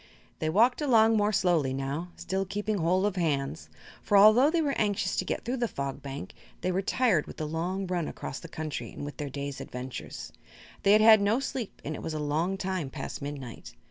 They walked along more slowly now, still keeping hold of hands; for although they were anxious to get through the Fog Bank they were tired with the long run across the country and with their day's adventures. They had had no sleep and it was a long time past midnight.